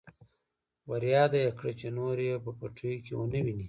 ورياده يې کړه چې نور يې په پټيو کې ونه ويني.